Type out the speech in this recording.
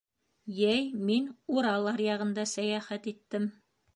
Йәй мин Урал аръяғында сәйәхәт иттем.